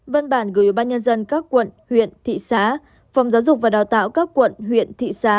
văn bản gửi cho ban nhân dân các quận huyện thị xá phòng giáo dục và đào tạo các quận huyện thị xá